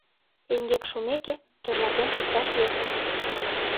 Эҥгек шумеке, тӧрлатен шукташ йӧсӧ.